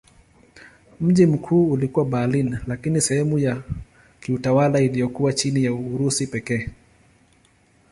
Mji mkuu ulikuwa Berlin lakini sehemu ya kiutawala iliyokuwa chini ya Urusi pekee.